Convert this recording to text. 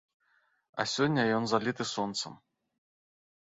А сёння ён заліты сонцам.